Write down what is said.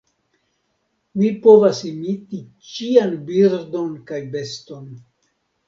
Mi povas imiti ĉian birdon kaj beston.